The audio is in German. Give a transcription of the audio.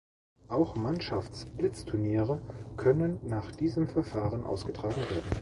Auch Mannschafts-Blitzturniere können nach diesem Verfahren ausgetragen werden.